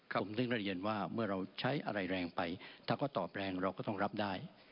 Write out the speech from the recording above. ผมถึงได้เรียนว่าเมื่อเราใช้อะไรแรงไปถ้าเขาตอบแรงเราก็ต้องรับได้